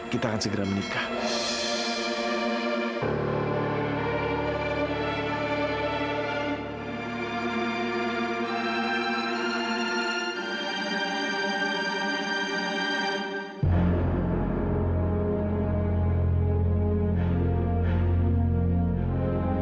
kita akan segera menikah